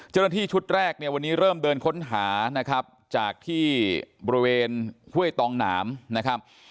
เจ้าหน้าที่ชุดแรกเนี่ยวันนี้เริ่มเดินค้นหานะครับจากที่บริเวณห้วยตองหนามนะครับ